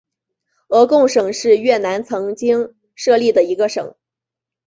鹅贡省是越南曾经设立的一个省。